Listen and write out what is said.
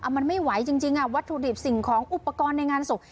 มันไม่ไหวจริงวัตถุดิบสิ่งของอุปกรณ์ในงานศพ